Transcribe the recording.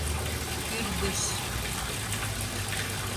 Пӱрдыш.